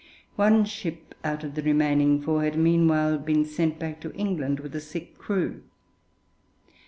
One ship out of the remaining four had meanwhile been sent back to England with a sick crew.